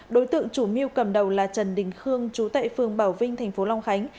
đối tượng chủ mưu cầm đầu là trần đình khương chú tại phường bảo vinh tp long khánh